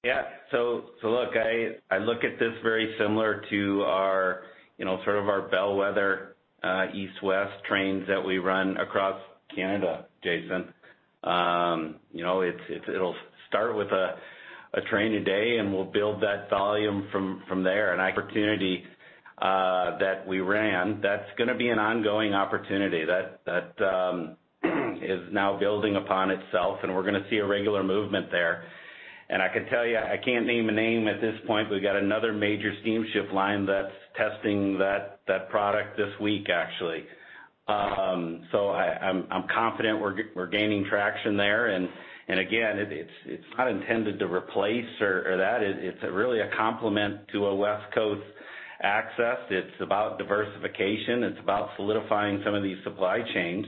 Yeah. Look, I look at this very similar to our, you know, sort of our bellwether east-west trains that we run across Canada, Jason Seidl. You know, it's it'll start with a train a day, and we'll build that volume from there. An opportunity that we ran, that's gonna be an ongoing opportunity. That is now building upon itself, and we're gonna see a regular movement there. I can tell you, I can't name a name at this point, we've got another major steamship line that's testing that product this week, actually. I'm confident we're gaining traction there. Again, it's not intended to replace or that. It's really a complement to a West Coast access. It's about diversification. It's about solidifying some of these supply chains.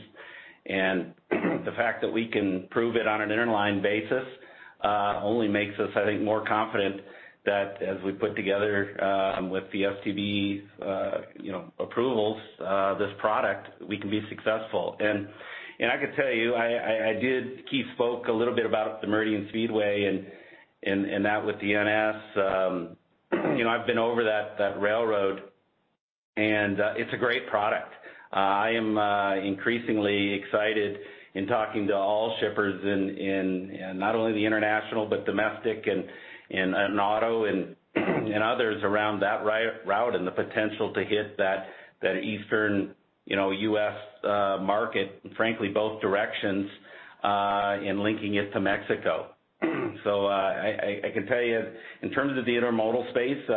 The fact that we can prove it on an interline basis only makes us, I think, more confident that as we put together with the STB you know approvals this product, we can be successful. I can tell you, Keith spoke a little bit about the Meridian Speedway and that with the NS you know I've been over that railroad, and it's a great product. I am increasingly excited in talking to all shippers in not only the international, but domestic and auto and others around that route and the potential to hit that eastern you know U.S. market, frankly, both directions in linking it to Mexico. I can tell you in terms of the intermodal space,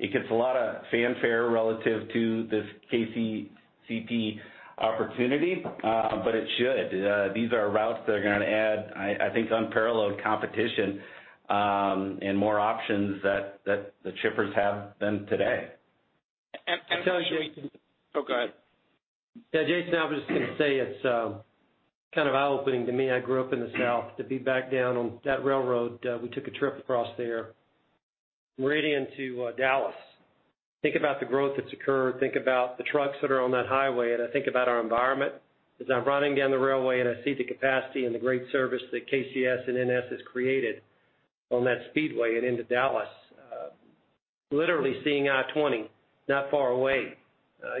it gets a lot of fanfare relative to this CPKC opportunity, but it should. These are routes that are gonna add, I think, unparalleled competition, and more options that the shippers have than today. And, and- Oh, go ahead. Yeah, Jason, I was just gonna say it's kind of eye-opening to me. I grew up in the south. To be back down on that railroad, we took a trip across there, Meridian to Dallas. Think about the growth that's occurred, think about the trucks that are on that highway, and I think about our environment as I'm running down the railway and I see the capacity and the great service that KCS and NS has created on that speedway and into Dallas. Literally seeing I-20 not far away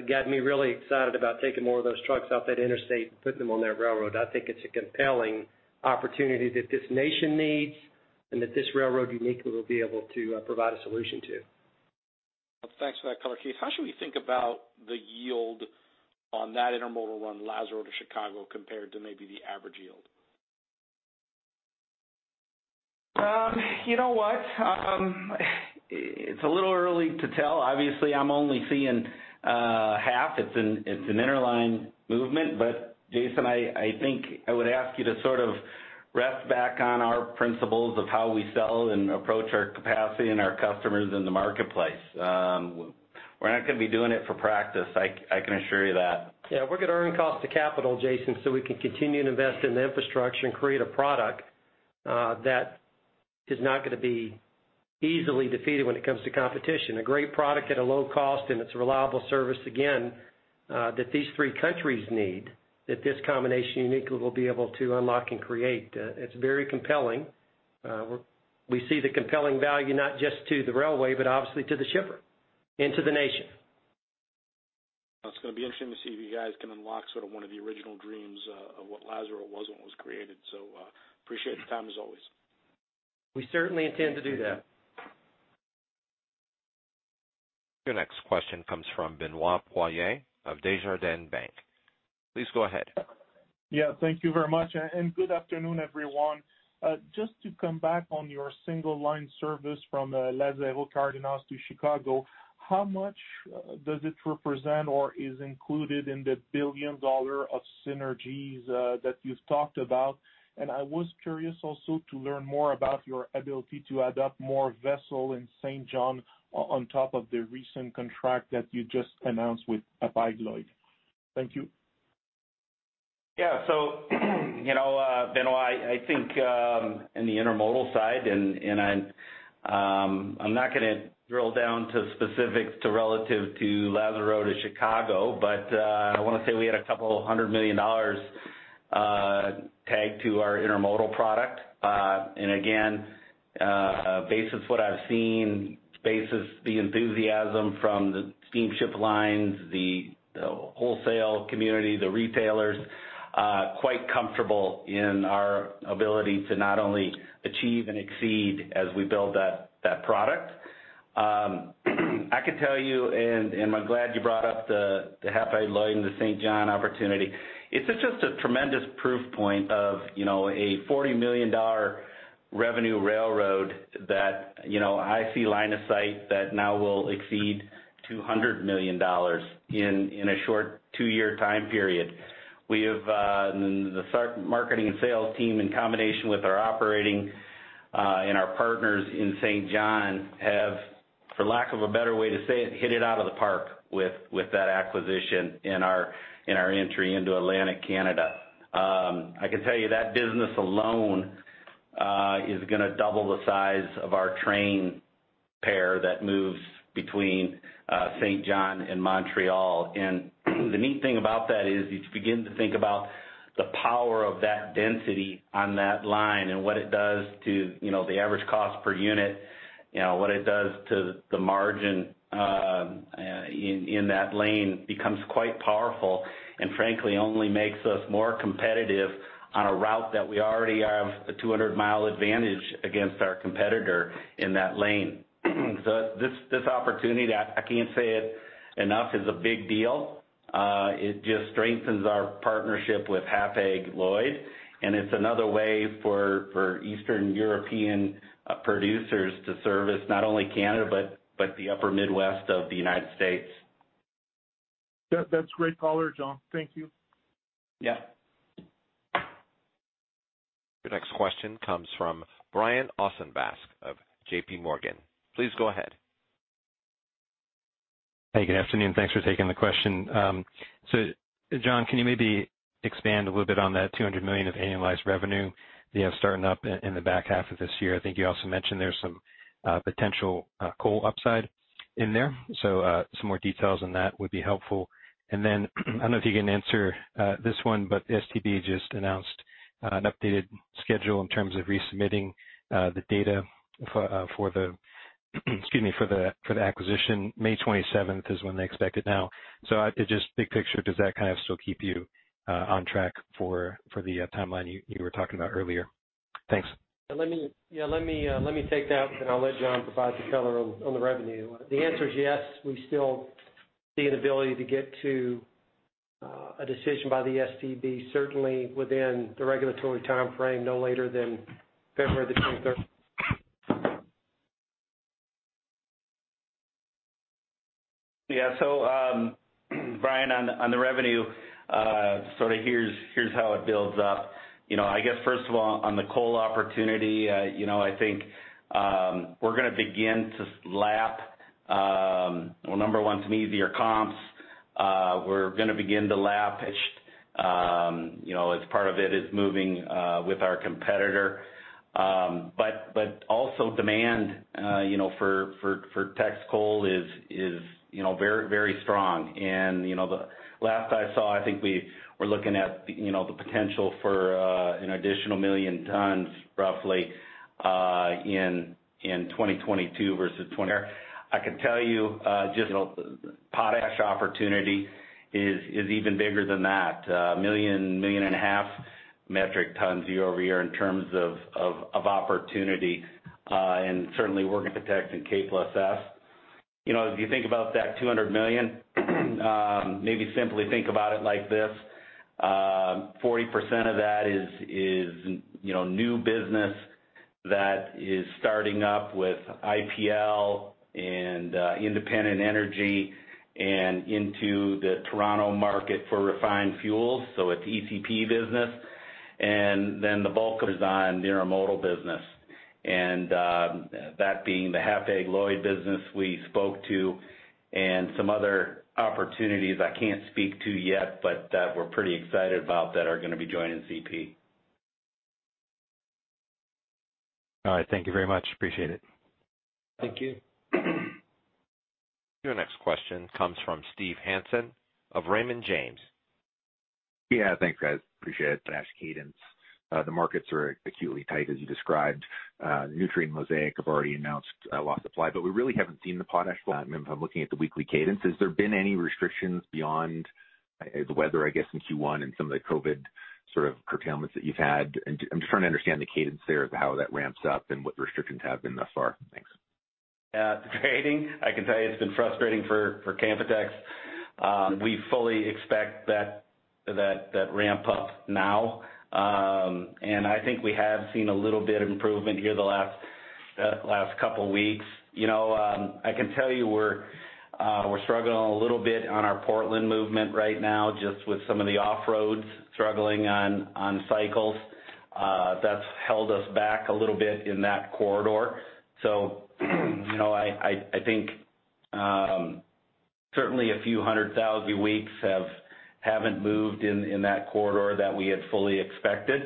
got me really excited about taking more of those trucks off that interstate and putting them on that railroad. I think it's a compelling opportunity that this nation needs and that this railroad uniquely will be able to provide a solution to. Thanks for that color, Keith. How should we think about the yield on that intermodal run, Lázaro to Chicago, compared to maybe the average yield? You know what? It's a little early to tell. Obviously, I'm only seeing half. It's an interline movement. Jason, I think I would ask you to sort of rest back on our principles of how we sell and approach our capacity and our customers in the marketplace. We're not gonna be doing it for practice, I can assure you that. Yeah, we're gonna earn cost of capital, Jason, so we can continue to invest in the infrastructure and create a product that is not gonna be easily defeated when it comes to competition. A great product at a low cost, and it's a reliable service, again, that these three countries need, that this combination uniquely will be able to unlock and create. It's very compelling. We see the compelling value not just to the railway, but obviously to the shipper and to the nation. It's gonna be interesting to see if you guys can unlock sort of one of the original dreams, of what Lázaro was when it was created. Appreciate the time as always. We certainly intend to do that. Your next question comes from Benoit Poirier of Desjardins Securities. Please go ahead. Yeah, thank you very much and good afternoon, everyone. Just to come back on your single line service from Lázaro Cárdenas to Chicago, how much does it represent or is included in the $1 billion of synergies that you've talked about? I was curious also to learn more about your ability to add more vessels in Saint John on top of the recent contract that you just announced with Hapag-Lloyd. Thank you. Yeah. You know, Benoit, I think in the intermodal side, and I'm not gonna drill down to specifics relative to Lázaro Cárdenas to Chicago, but I wanna say we had $200 million tagged to our intermodal product. Again, based on what I've seen and the enthusiasm from the steamship lines, the wholesale community, the retailers, quite comfortable in our ability to not only achieve and exceed as we build that product. I could tell you and I'm glad you brought up the Hapag-Lloyd and the Saint John opportunity, it's such a tremendous proof point of, you know, a $40 million revenue railroad that, you know, I see line of sight that now will exceed $200 million in a short two-year time period. We have the marketing and sales team, in combination with our operating and our partners in Saint John have, for lack of a better way to say it, hit it out of the park with that acquisition and our entry into Atlantic Canada. I can tell you that business alone is gonna double the size of our train pair that moves between Saint John and Montreal. The neat thing about that is you begin to think about the power of that density on that line and what it does to, you know, the average cost per unit, you know, what it does to the margin in that lane becomes quite powerful and frankly only makes us more competitive on a route that we already have a 200-mile advantage against our competitor in that lane. This opportunity, I can't say it enough, is a big deal. It just strengthens our partnership with Hapag-Lloyd, and it's another way for Eastern European producers to service not only Canada but the upper Midwest of the United States. That's great color, John. Thank you. Yeah. Your next question comes from Brian Ossenbeck of JPMorgan. Please go ahead. Hey, good afternoon. Thanks for taking the question. John, can you maybe expand a little bit on that $200 million of annualized revenue that you have starting up in the back half of this year? I think you also mentioned there's some potential coal upside in there. Some more details on that would be helpful. Then I don't know if you can answer this one, but the STB just announced an updated schedule in terms of resubmitting the data for the acquisition. May twenty-seventh is when they expect it now. Just big picture, does that kind of still keep you on track for the timeline you were talking about earlier? Thanks. Let me take that, and I'll let John provide the color on the revenue. The answer is yes, we still see an ability to get to a decision by the STB, certainly within the regulatory timeframe, no later than February the 23rd. Yeah. Brian, on the revenue, sort of here's how it builds up. You know, I guess first of all, on the coal opportunity, you know, I think we're gonna begin to lap, well, number one, some easier comps. We're gonna begin to lap you know, as part of it is moving with our competitor. But also demand, you know, for Teck Coal is very, very strong. You know, the last I saw, I think we were looking at you know, the potential for an additional 1 million tons roughly in 2022 versus. I can tell you just potash opportunity is even bigger than that. 1.5 million metric tons year-over-year in terms of opportunity. Certainly we're gonna protect in K+S. You know, if you think about that 200 million, maybe simply think about it like this, 40% of that is you know, new business that is starting up with IPL and Independent Energy and into the Toronto market for refined fuels, so it's ECP business. That being the Hapag-Lloyd business we spoke to and some other opportunities I can't speak to yet, but that we're pretty excited about that are gonna be joining CP. All right. Thank you very much. Appreciate it. Thank you. Your next question comes from Steve Hansen of Raymond James. Yeah. Thanks, guys. Appreciate it. Potash cadence. The markets are acutely tight as you described. Nutrien, Mosaic have already announced lots of supply, but we really haven't seen the potash yet if I'm looking at the weekly cadence. Has there been any restrictions beyond the weather, I guess, in Q1 and some of the COVID sort of curtailments that you've had? I'm just trying to understand the cadence there of how that ramps up and what the restrictions have been thus far. Thanks. Yeah. It's grating. I can tell you it's been frustrating for Canpotex. We fully expect that ramp up now. I think we have seen a little bit of improvement here the last couple weeks. You know, I can tell you we're struggling a little bit on our Portland movement right now just with some of the off-roads struggling on cycles. That's held us back a little bit in that corridor. You know, I think certainly a few hundred thousand tons haven't moved in that corridor that we had fully expected.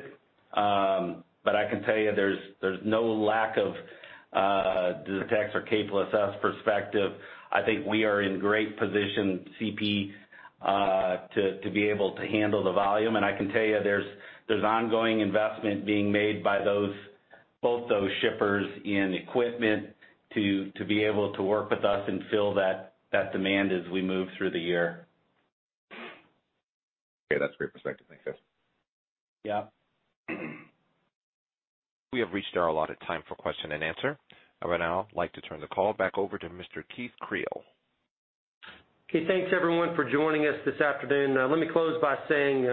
But I can tell you there's no lack of demand from the K+S perspective. I think we are in great position, CP, to be able to handle the volume. I can tell you there's ongoing investment being made by both those shippers in equipment to be able to work with us and fill that demand as we move through the year. Okay. That's a great perspective. Thanks, guys. Yeah. We have reached our allotted time for question and answer. I would now like to turn the call back over to Mr. Keith Creel. Okay. Thanks everyone for joining us this afternoon. Let me close by saying,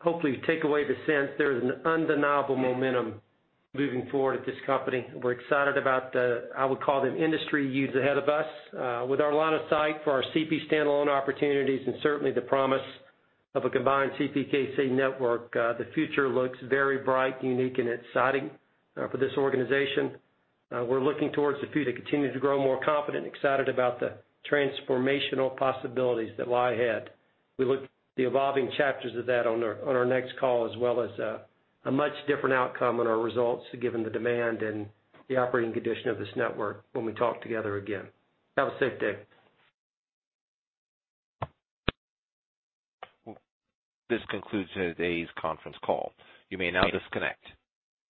hopefully you take away the sense there is an undeniable momentum moving forward at this company. We're excited about the, I would call them industry views ahead of us, with our line of sight for our CP standalone opportunities and certainly the promise of a combined CPKC network. The future looks very bright, unique, and exciting, for this organization. We're looking towards the future, continuing to grow more confident and excited about the transformational possibilities that lie ahead. We'll look to the evolving chapters of that on our next call, as well as, a much different outcome on our results given the demand and the operating condition of this network when we talk together again. Have a safe day. This concludes today's conference call. You may now disconnect.